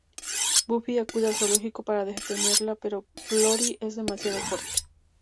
Buffy acude al zoológico para detenerla pero Glory es demasiado fuerte.